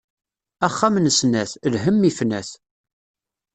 Axxam n snat, lhemm ifna-t.